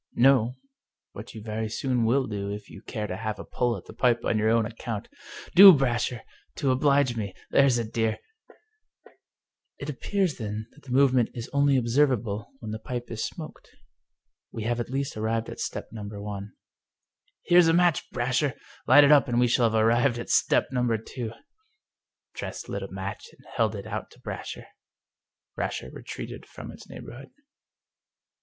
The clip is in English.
" No, but you very soon will do if you care to have a pull at the pipe on your own account. Do, Brasher, to oblige me ! There's a dear !"" It appears, then, that the movement is only observable when the pipe is smoked. We have at least arrived at step No. I." " Here's a match, Brasher 1 Light up, and we shall have arrived at step No. 2." 234 The Pipe Tress lit a match and held it out to Brasher. Brasher retreated from its neighborhood.